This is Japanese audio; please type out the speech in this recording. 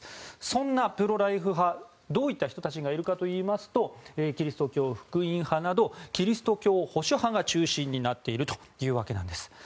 そんなプロ・ライフ派どういった人たちがいるかといいますとキリスト教福音派などキリスト教保守派が中心というわけです。